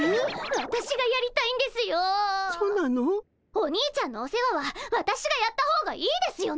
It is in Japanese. お兄ちゃんのお世話は私がやった方がいいですよね！